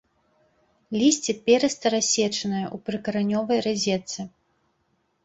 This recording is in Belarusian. Лісце перыста-рассечанае ў прыкаранёвай разетцы.